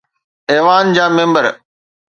ايوان جا ميمبر